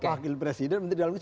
wakil presiden menteri dalam negeri